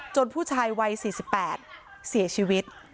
ผู้ชายวัย๔๘เสียชีวิต